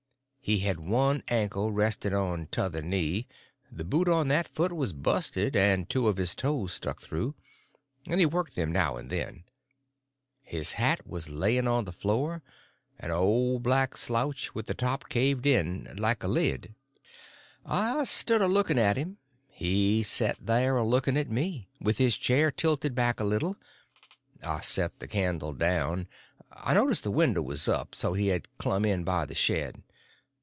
He had one ankle resting on t'other knee; the boot on that foot was busted, and two of his toes stuck through, and he worked them now and then. His hat was laying on the floor—an old black slouch with the top caved in, like a lid. I stood a looking at him; he set there a looking at me, with his chair tilted back a little. I set the candle down. I noticed the window was up; so he had clumb in by the shed.